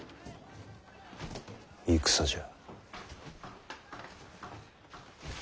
戦じゃ。